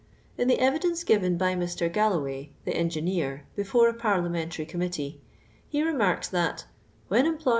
In the evidence given by Mr. (ralloway, the engineer, b fore a parliamentary committee, he | I remarks, lint '' whtMi employer!